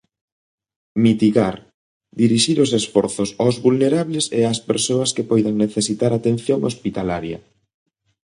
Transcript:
Mitigar: dirixir os esforzos aos vulnerables e ás persoas que poidan necesitar atención hospitalaria.